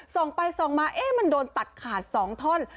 ส่องไปส่องมามันโดนตัดขาด๒ท่อน